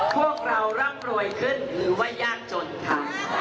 พวกเราร่ำรวยขึ้นหรือว่ายากจนค่ะ